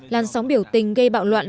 làn sóng biểu tình gây bạo loạn